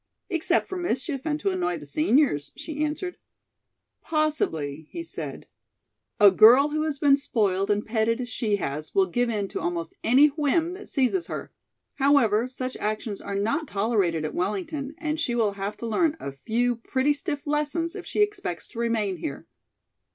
"Except for mischief and to annoy the seniors," she answered. "Possibly," he said. "A girl who has been spoiled and petted as she has will give in to almost any whim that seizes her. However, such actions are not tolerated at Wellington, and she will have to learn a few pretty stiff lessons if she expects to remain here."